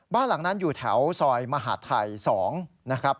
บ้านหลังนั้นอยู่แถวซอยมหาดไทย๒นะครับ